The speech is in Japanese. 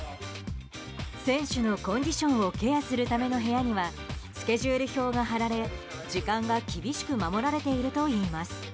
選手のコンディションをケアするための部屋にはスケジュール表が貼られ時間が厳しく守られているといいます。